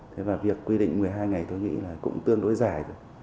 thế và việc quy định một mươi hai ngày tôi nghĩ là cũng tương đối dài rồi